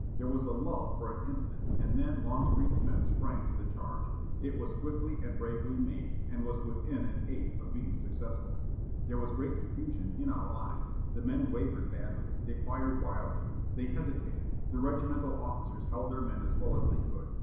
There was a lull for an instant, and then Longstreet's men sprang to the charge. It was swiftly and bravely made, and was within an ace of being successful. There was great confusion in our line. The men wavered badly. They fired wildly. They hesitated.... The regimental officers held their men as well as they could.